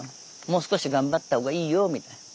もう少し頑張った方がいいよみたいな。